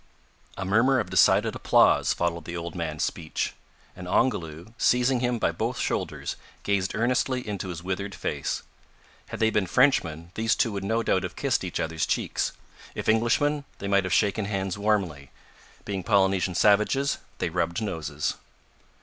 A murmur of decided applause followed the old man's speech, and Ongoloo, seizing him by both shoulders, gazed earnestly into his withered face. Had they been Frenchmen, these two would no doubt have kissed each other's cheeks; if Englishmen, they might have shaken hands warmly; being Polynesian savages, they rubbed noses.